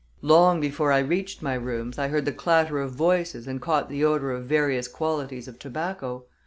Long before I reached my rooms, I heard the clatter of voices and caught the odor of various qualities of tobacco.